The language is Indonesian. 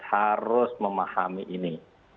harus memahami ini